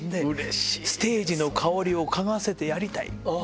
ステージの香りを嗅がせてやりたい。